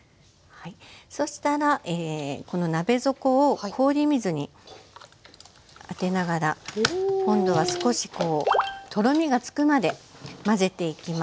そしたらこの鍋底を氷水に当てながら今度は少しとろみがつくまで混ぜていきます。